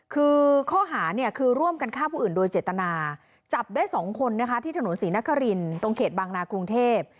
คือข้อหาร่วมกันค่าผู้อื่นโดยเจตนาจับได้๒คนในถนนศรีนรกรินตรงเขตบางนาคลุงเทพฯ